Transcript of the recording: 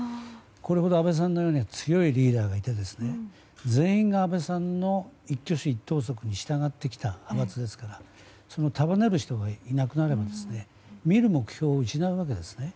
これほど安倍さんのような強いリーダーがいて全員が安倍さんの一挙手一投足に従ってきた派閥ですから束ねる人がいなくなれば見る目標を失うわけですね。